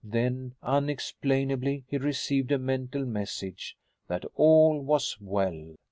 Then, unexplainably, he received a mental message that all was well.